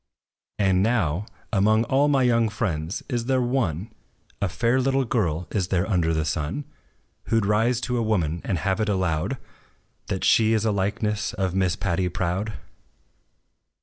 And now, among all my young friends, is there one, A fair little girl is there under the sun, Who 'd rise to a woman, and have it allowed That she is a likeness of Miss PATTY PROUD?